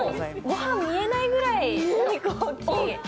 ごはん見えないくらいお肉、大きい！